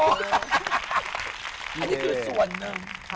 อันนี้คือส่วนหนึ่ง